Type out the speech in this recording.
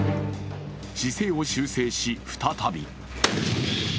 姿勢を修正し、再び。